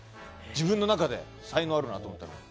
自分の中で才能があるなと思ったのは。